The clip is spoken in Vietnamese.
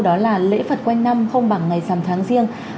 đó là lễ phật quen năm không bằng ngày giảm tháng riêng